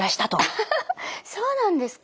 アハハそうなんですか？